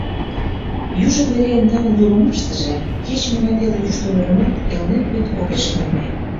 Южо вере, эн талын йогымаштыже, кеч-могай теле йӱштӧ годымат Элнет вӱд огеш кылме.